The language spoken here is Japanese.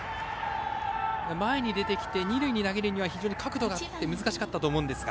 前に出てきて、二塁に投げるには非常に角度があって難しかったと思うんですが。